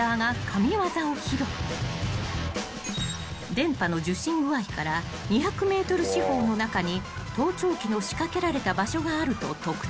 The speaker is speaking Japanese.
［電波の受信具合から２００ｍ四方の中に盗聴器の仕掛けられた場所があると特定］